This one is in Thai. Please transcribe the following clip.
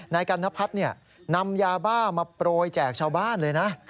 นายกัณพัฒน์นำยาบ้ามาโปรยแจกชาวบ้านเลยนะ